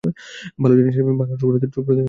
ভালো জিনিসের ভাঙা টুকরো দিয়েই অলক্ষ্মী বাসা বাঁধে।